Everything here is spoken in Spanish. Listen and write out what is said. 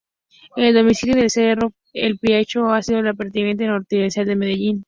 El domicilio del cerro El Picacho ha sido la vertiente noroccidental de Medellín.